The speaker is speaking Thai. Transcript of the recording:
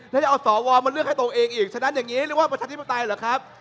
แล้วจะเอาสวมาเลือกให้ตัวเองอีกฉะนั้นอย่างนี้เรียกว่าประชาธิปไตยเหรอครับ